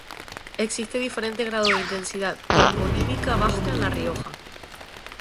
Existe diferente grado de intensidad toponímica vasca en La Rioja.